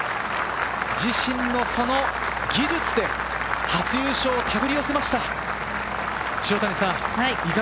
自身の技術で初優勝をたぐり寄せました。